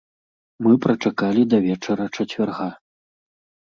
Мы прачакалі да вечара чацвярга.